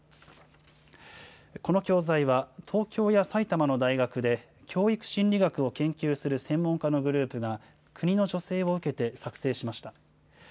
この教材は、東京や埼玉の大学で教育心理学を研究する専門家のグループが、国の助成を受けて作成しました。